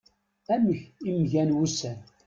Amek i m-gan wussan?